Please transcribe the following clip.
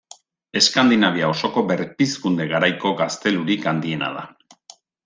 Eskandinavia osoko berpizkunde garaiko gaztelurik handiena da.